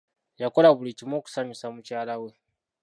Yakola buli kimu okusanyusa mukyala we.